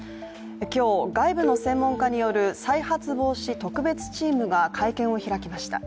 今日、外部の専門家による再発防止特別チームが会見を開きました。